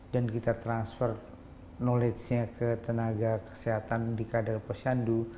dan kita transfer knowledge nya ke tenaga kesehatan di kadar posyandu